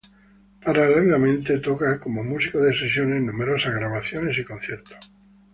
Paralelamente, toca como músico de sesión en numerosas grabaciones y conciertos.